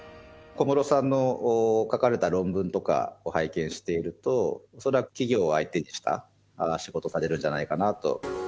小室さんの書かれた論文とかを拝見していると、恐らく企業を相手にした仕事をされるんじゃないかなと。